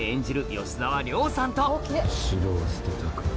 吉沢亮さんと城を捨てたか。